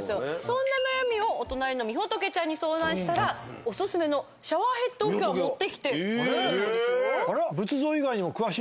そんな悩みをお隣のみほとけちゃんに相談したらお薦めのシャワーヘッドを今日は持ってきてくれるそうです。